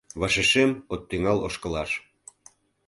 Вашешем от тӱҥал ошкылаш.